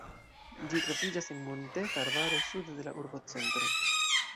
Ĝi troviĝas en monteta arbaro sude de la urbocentro.